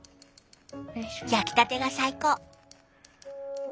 焼きたてが最高。